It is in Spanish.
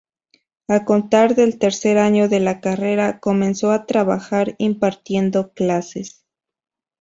A contar del tercer año de la carrera comenzó a trabajar, impartiendo clases.